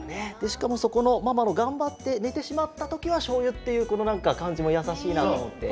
しかもそこのママが頑張ってねてしまったときはしょうゆっていうこのなんかかんじもやさしいなとおもって。